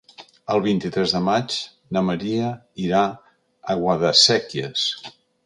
El vint-i-tres de maig na Maria irà a Guadasséquies.